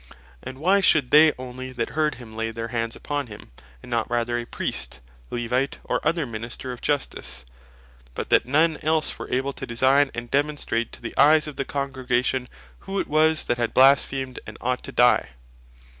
And why should they only that heard him, Lay their Hands upon him, and not rather a Priest, Levite, or other Minister of Justice, but that none else were able to design, and demonstrate to the eyes of the Congregation, who it was that had blasphemed, and ought to die?